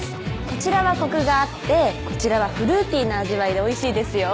こちらはコクがあってこちらはフルーティーな味わいでおいしいですよ